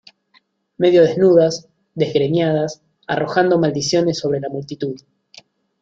medio desnudas, desgreñadas , arrojando maldiciones sobre la multitud